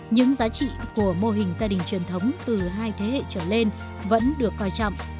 những giá trị của mô hình gia đình truyền thống từ hai thế hệ trở lên vẫn được coi trọng